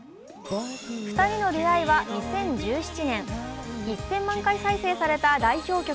２人の出会いは２０１７年、１０００万回再生された代表曲